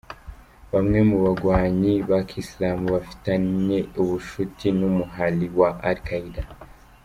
Bamwe mu bagwanyi ba kiislam bafitaniye ubucuti n'umuhari wa Al Qaeda.